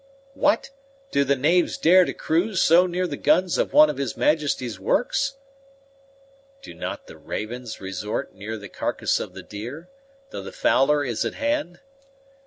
"What! do the knaves dare to cruise so near the guns of one of his Majesty's works?" "Do not the ravens resort near the carcass of the deer, though the fowler is at hand?